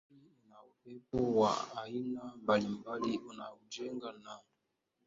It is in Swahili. Nchi ina upepo wa aina mbalimbali unaojengwa na